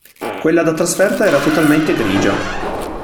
Quella da trasferta era totalmente grigia.